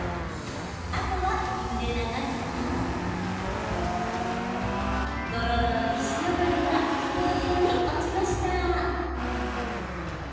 あとは水で流すとどろどろ皮脂汚れがきれいに落ちました。